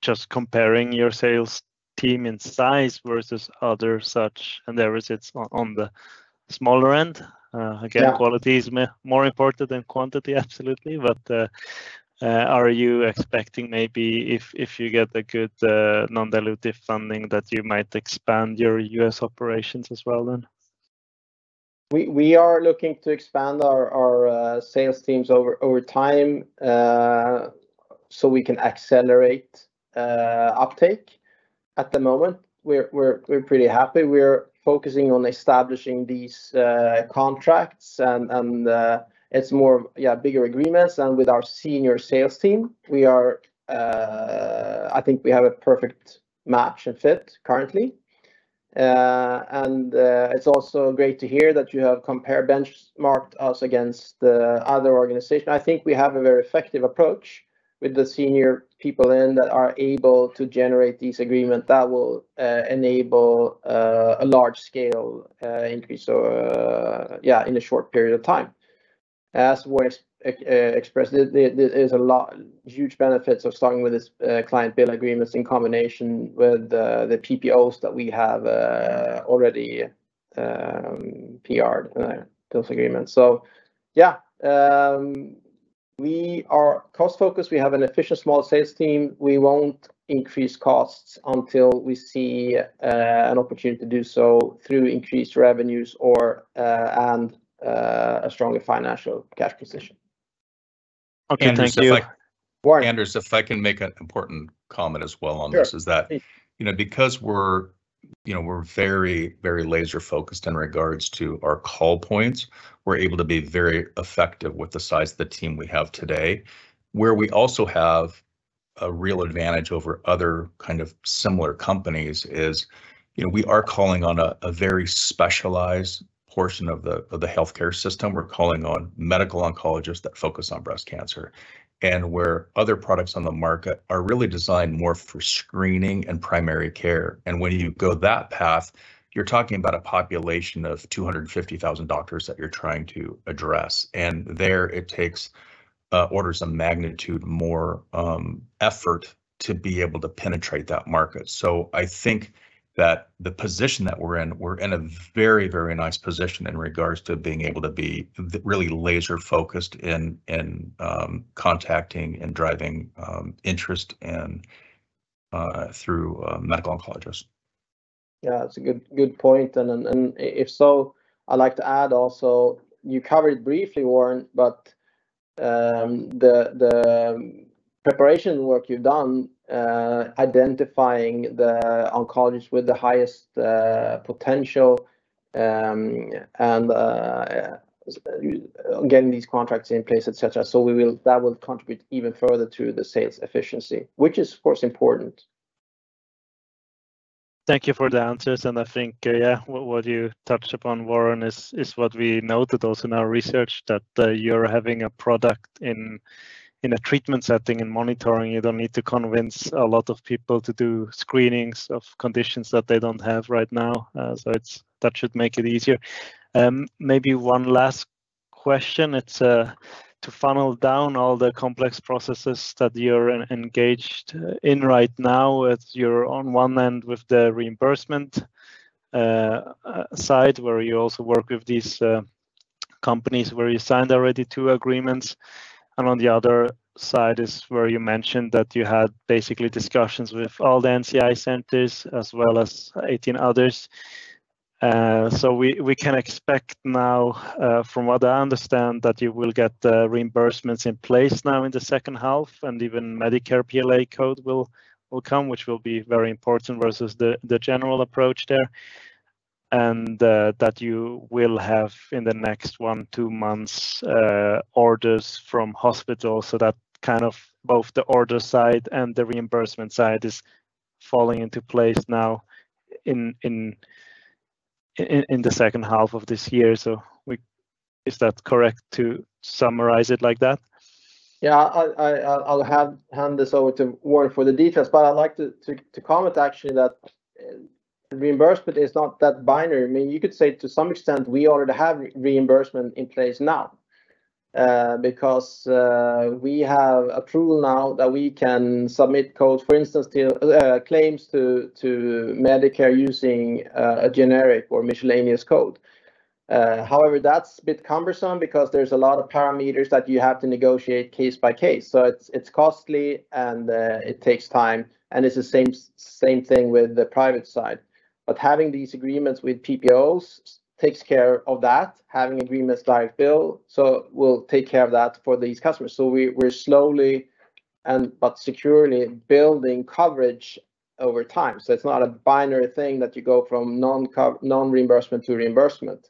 patients. Just comparing your sales team in size versus other such, and there is, it's on the smaller end. Yeah quality is more important than quantity, absolutely. Are you expecting maybe if you get a good non-dilutive funding, that you might expand your U.S. operations as well then? We are looking to expand our sales teams over time, so we can accelerate uptake. At the moment, we're pretty happy. We're focusing on establishing these contracts, and it's more, yeah, bigger agreements, and with our senior sales team, we are, I think we have a perfect match and fit currently. It's also great to hear that you have benchmarked us against the other organization. I think we have a very effective approach with the senior people in that are able to generate this agreement that will enable a large scale increase, yeah, in a short period of time. As was expressed, there is huge benefits of starting with this client bill agreements in combination with the PPOs that we have already PR'd those agreements. Yeah, we are cost-focused. We have an efficient small sales team. We won't increase costs until we see an opportunity to do so through increased revenues or and a stronger financial cash position. Okay, thank you. Anders, if I can make an important comment as well on this. Sure is that, you know, because we're, you know, we're very, very laser-focused in regards to our call points, we're able to be very effective with the size of the team we have today. Where we also have a real advantage over other kind of similar companies is, you know, we are calling on a very specialized portion of the, of the healthcare system. We're calling on medical oncologists that focus on breast cancer, and where other products on the market are really designed more for screening and primary care. When you go that path, you're talking about a population of 250,000 doctors that you're trying to address. There it takes orders of magnitude more effort to be able to penetrate that market. I think that the position that we're in, we're in a very, very nice position in regards to being able to be really laser-focused in contacting and driving interest and through medical oncologists. That's a good point. If so, I'd like to add also, you covered briefly, Warren, but, the preparation work you've done, identifying the oncologists with the highest potential, and getting these contracts in place, et cetera, that will contribute even further to the sales efficiency, which is, of course, important. Thank you for the answers. I think, what you touched upon, Warren, is what we noted also in our research, that you're having a product in a treatment setting and monitoring. You don't need to convince a lot of people to do screenings of conditions that they don't have right now. That should make it easier. Maybe one last question. It's to funnel down all the complex processes that you're engaged in right now with your, on one end, with the reimbursement side, where you also work with these companies, where you signed already two agreements, and on the other side is where you mentioned that you had basically discussions with all the NCI centers as well as 18 others. We can expect now, from what I understand, that you will get the reimbursements in place now in the second half, and even Medicare PLA code will come, which will be very important versus the general approach there. That you will have, in the next one, two months, orders from hospitals, that kind of both the order side and the reimbursement side is falling into place now in the second half of this year. Is that correct to summarize it like that? Yeah, I'll hand this over to Warren for the details, but I'd like to comment actually that reimbursement is not that binary. I mean, you could say to some extent we already have reimbursement in place now, because we have approval now that we can submit codes, for instance, to claims to Medicare using a generic or miscellaneous code. However, that's a bit cumbersome because there's a lot of parameters that you have to negotiate case by case. It's, it's costly, and it takes time, and it's the same same thing with the private side. Having these agreements with PPOs takes care of that, having agreements direct bill, so we'll take care of that for these customers. We, we're slowly and, but securely, building coverage over time. It's not a binary thing that you go from non-reimbursement to reimbursement.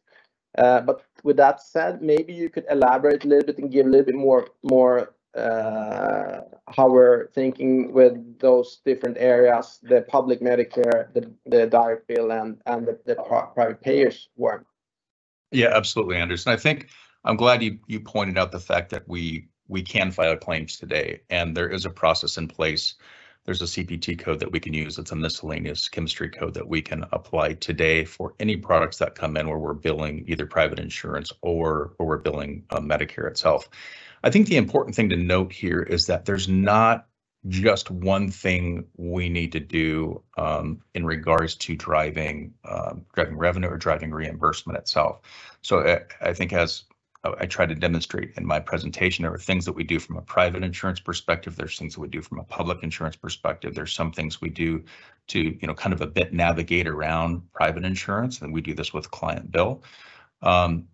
With that said, maybe you could elaborate a little bit and give a little bit more how we're thinking with those different areas, the public Medicare, the direct bill, and the private payers work. Absolutely, Anders, I think I'm glad you pointed out the fact that we can file claims today, and there is a process in place. There's a CPT code that we can use. It's a miscellaneous chemistry code that we can apply today for any products that come in, where we're billing either private insurance or we're billing Medicare itself. The important thing to note here is that there's not just one thing we need to do in regards to driving revenue or driving reimbursement itself. I think as I tried to demonstrate in my presentation, there are things that we do from a private insurance perspective. There's things that we do from a public insurance perspective. There's some things we do to, you know, kind of a bit navigate around private insurance, and we do this with client bill. One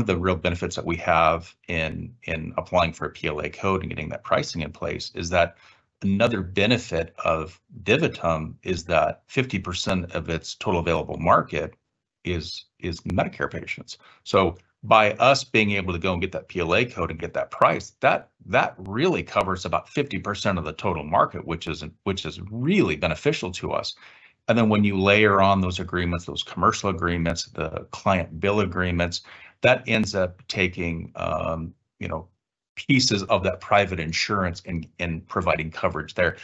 of the real benefits that we have in applying for a PLA code and getting that pricing in place is that another benefit of DiviTum is that 50% of its total available market is Medicare patients. By us being able to go and get that PLA code and get that price, that really covers about 50% of the total market, which is really beneficial to us. Then when you layer on those agreements, those commercial agreements, the client bill agreements, that ends up taking, you know, pieces of that private insurance and providing coverage there.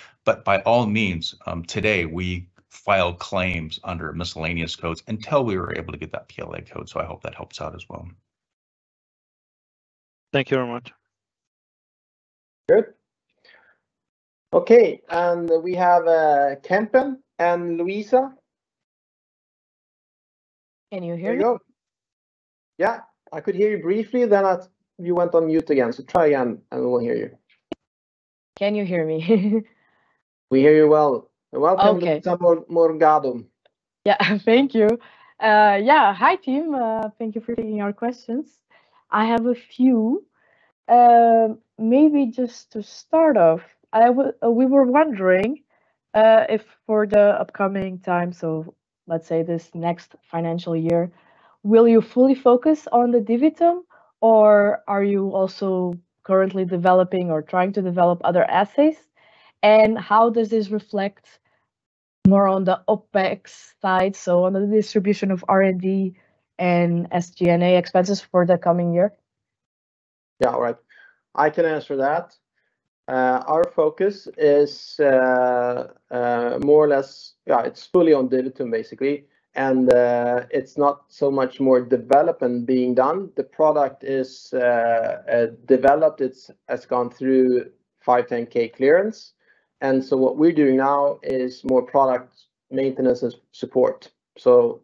By all means, today, we file claims under miscellaneous codes until we were able to get that PLA code. I hope that helps out as well. Thank you very much. Good. Okay. We have Kempen and Luisa. Can you hear me? There you go. Yeah, I could hear you briefly, then you went on mute again. Try again, we'll hear you. Can you hear me? We hear you well. Okay. Welcome, Luisa Morgado. Thank you. Hi, team. Thank you for taking our questions. I have a few. Maybe just to start off, we were wondering if for the upcoming time, so let's say this next financial year, will you fully focus on the DiviTum, or are you also currently developing or trying to develop other assays? How does this reflect more on the OpEx side, so on the distribution of R&D and SG&A expenses for the coming year? All right. I can answer that. Our focus is more or less fully on DiviTum, basically, it's not so much more development being done. The product is developed. It has gone through 510K clearance, what we're doing now is more product maintenance and support.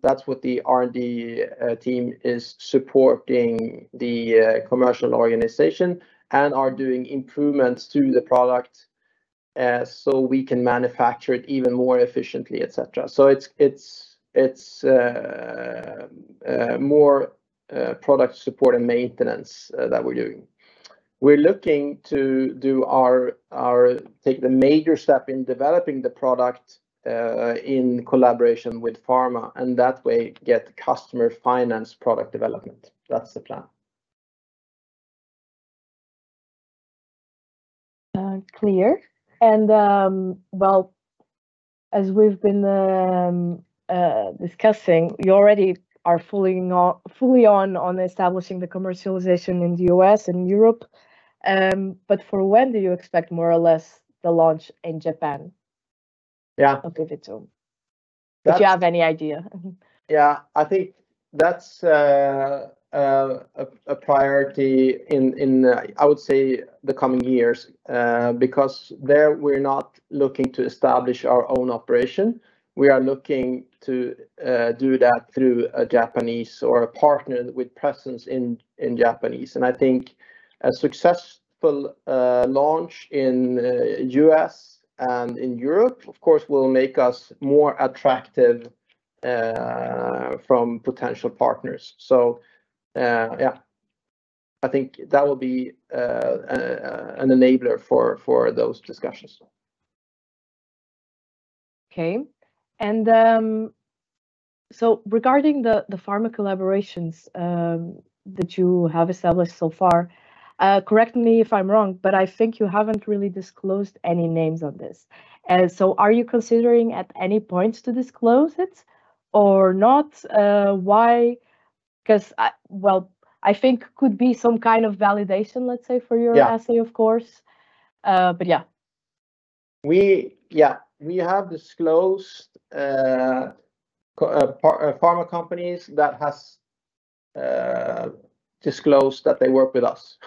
That's what the R&D team is supporting the commercial organization and are doing improvements to the product so we can manufacture it even more efficiently, et cetera. It's, it's more product support and maintenance that we're doing. We're looking to do our take the major step in developing the product in collaboration with pharma, and that way, get customer finance product development. That's the plan. Clear. Well, as we've been discussing, you already are fully on establishing the commercialization in the US and Europe. For when do you expect more or less the launch in Japan? Yeah... of DiviTum? If you have any idea. Yeah, I think that's a priority in, I would say, the coming years. Because there, we're not looking to establish our own operation. We are looking to do that through a Japanese or a partner with presence in Japanese. I think a successful launch in U.S. and in Europe, of course, will make us more attractive from potential partners. Yeah, I think that will be an enabler for those discussions. Okay. Regarding the pharma collaborations that you have established so far, correct me if I'm wrong, but I think you haven't really disclosed any names on this. Are you considering at any point to disclose it or not? Why? Because I think could be some kind of validation, let's say, for your- Yeah... assay, of course. Yeah. We, yeah, we have disclosed pharma companies that has disclosed that they work with us.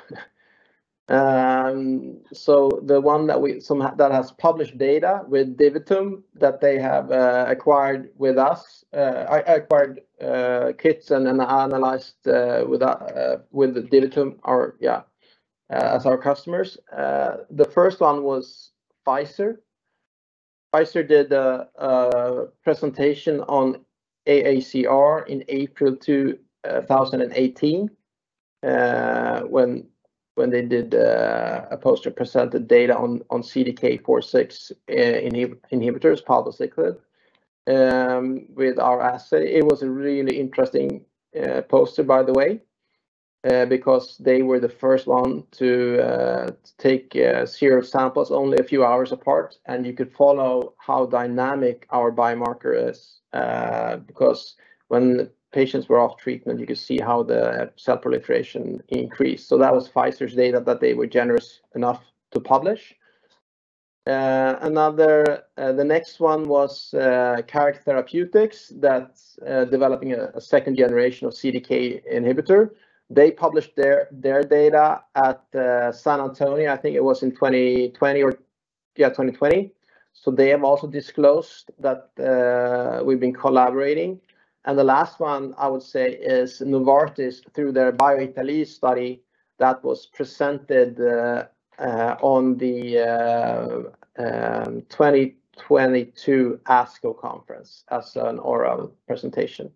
The one that has published data with DiviTum, that they have acquired with us kits and then analyzed with the DiviTum are, yeah, as our customers. The first one was Pfizer. Pfizer did a presentation on AACR in April 2018, when they did a poster presented data on CDK4/6 inhibitors palbociclib with our assay. It was a really interesting poster, by the way, because they were the first one to take serum samples only a few hours apart, and you could follow how dynamic our biomarker is, because when patients were off treatment, you could see how the cell proliferation increased. That was Pfizer's data that they were generous enough to publish. Another, the next one was Carrick Therapeutics that's developing a second generation of CDK inhibitor. They published their data at San Antonio. I think it was in 2020 or, yeah, 2020. They have also disclosed that we've been collaborating. The last one I would say is Novartis, through their BioItaLEE study that was presented on the 2022 ASCO conference as an oral presentation.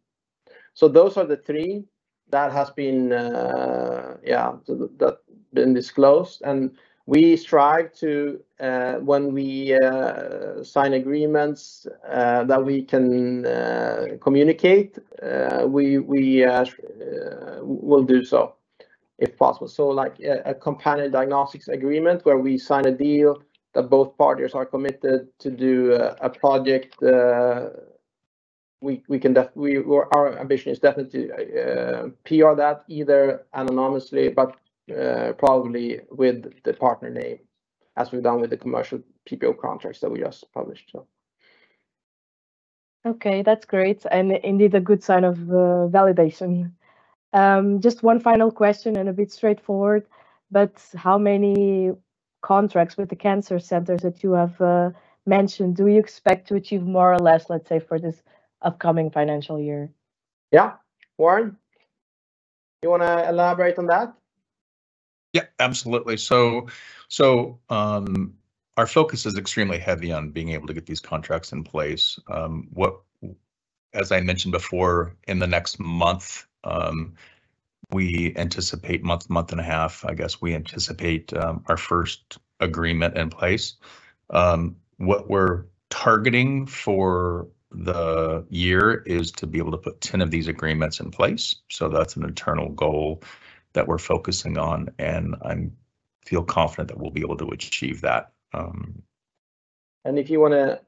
Those are the three that has been, yeah, that have been disclosed. We strive to, when we sign agreements, that we can communicate, we'll do so, if possible. Like, a companion diagnostic agreement, where we sign a deal that both parties are committed to do a project, we can our ambition is definitely PR that either anonymously, but probably with the partner name, as we've done with the commercial PPO contracts that we just published. Okay, that's great, and indeed a good sign of validation. Just one final question and a bit straightforward, but how many contracts with the cancer centers that you have mentioned, do you expect to achieve more or less, let's say, for this upcoming financial year? Yeah. You want to elaborate on that? Yeah, absolutely. Our focus is extremely heavy on being able to get these contracts in place. As I mentioned before, in the next month and a half, I guess we anticipate, our first agreement in place. What we're targeting for the year is to be able to put 10 of these agreements in place. That's an internal goal that we're focusing on, and I'm feel confident that we'll be able to achieve that. If you want to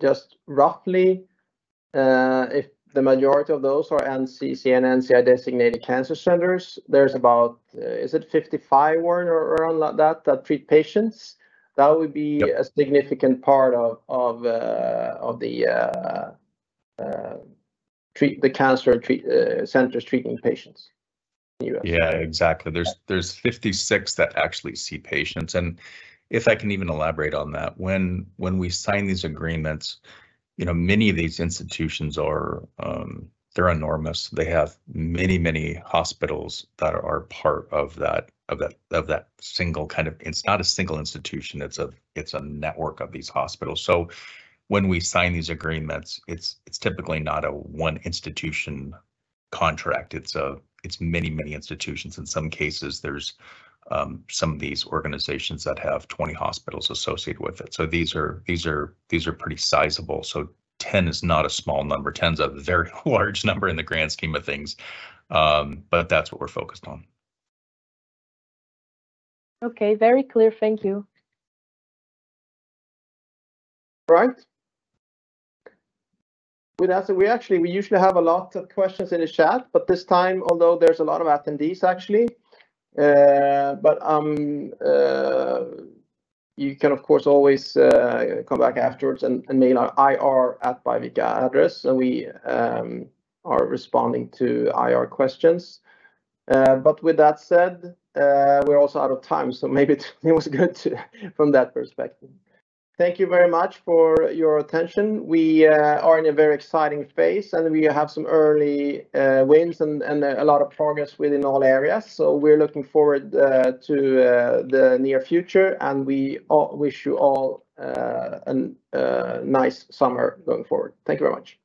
just roughly, if the majority of those are NCCN, NCI designated cancer centers, there's about, is it 55 or around like that treat patients? Yep. That would be a significant part of the cancer treat centers treating patients in the U.S. Exactly. There's 56 that actually see patients, and if I can even elaborate on that. When we sign these agreements, you know, many of these institutions are, they're enormous. They have many hospitals that are part of that single kind of... It's not a single institution, it's a network of these hospitals. When we sign these agreements, it's typically not a one institution contract. It's many institutions. In some cases, there's some of these organizations that have 20 hospitals associated with it. These are pretty sizable. 10 is not a small number. 10 is a very large number in the grand scheme of things, but that's what we're focused on. Okay, very clear. Thank you. Right. With that said, we actually, we usually have a lot of questions in the chat, but this time, although there's a lot of attendees, actually, but you can, of course, always come back afterwards and mail our IR @Biovica address, and we are responding to IR questions. With that said, we're also out of time, maybe it was good from that perspective. Thank you very much for your attention. We are in a very exciting space, and we have some early wins and a lot of progress within all areas. We're looking forward to the near future, and we wish you all a nice summer going forward. Thank you very much.